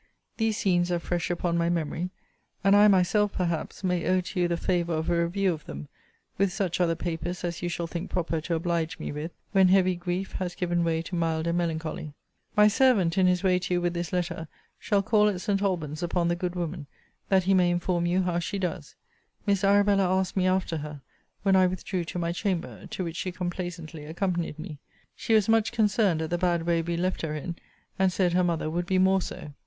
These scenes are fresh upon my memory: and I myself, perhaps, may owe to you the favour of a review of them, with such other papers as you shall think proper to oblige me with, when heavy grief has given way to milder melancholy. My servant, in his way to you with this letter, shall call at St. Alban's upon the good woman, that he may inform you how she does. Miss Arabella asked me after her, when I withdrew to my chamber; to which she complaisantly accompanied me. She was much concerned at the bad way we left her in; and said her mother would be more so.